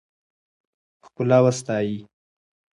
ښکلا وستایئ.